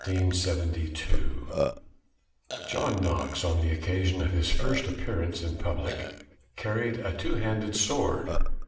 KNOX 1505 1572 JOHN KNOX, on the occasion of his first appearance in public, carried a two handed sword.